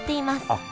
あっ